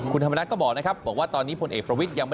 คุณธรรมนัฐก็บอกนะครับบอกว่าตอนนี้พลเอกประวิทย์ยังไม่